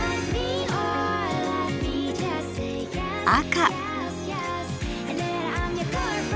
赤。